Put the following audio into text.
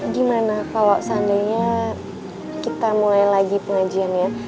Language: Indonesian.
gimana kalau seandainya kita mulai lagi pengajiannya